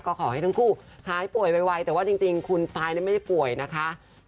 ก็ขอให้ทั้งคู่หายป่วยไวแต่ว่าจริงคุณฟ้ายไม่ได้ป่วยนะคะ